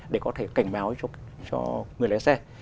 để có thể cảnh báo cho người lái xe